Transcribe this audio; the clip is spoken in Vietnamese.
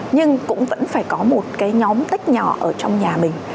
nhưng cũng vẫn phải có một cái nhóm cách nhỏ ở trong nhà mình